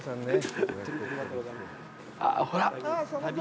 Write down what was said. あぁ、ほら！